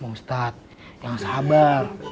ustaz jangan sabar